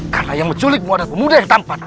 karena yang menculikmu adalah pemuda yang tampat